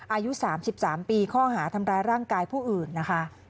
อายุ๓๓ปีข้อหาทำร้ายร่างกายผู้อื่นนะคะ